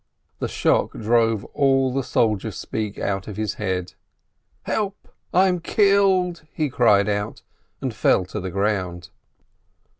The shock drove all the soldier speech out of his head. "Help, I am killed!" he called out, and fell to the ground.